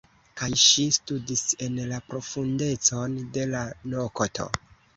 Kaj ŝi studis en la profundecon de la nokto.